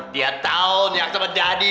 dia tau nih aku sama daddy